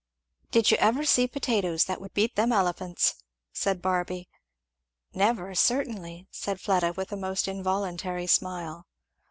"Did you ever see potatoes that would beat them Elephants?" said Barby. "Never, certainly," said Fleda with a most involuntary smile.